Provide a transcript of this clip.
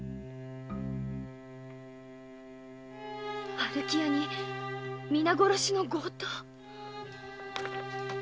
「春喜屋に皆殺しの強盗」！？